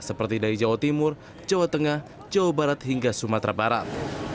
seperti dari jawa timur jawa tengah jawa barat hingga sumatera barat